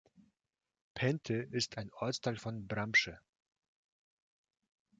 Pente ist ein Ortsteil von Bramsche.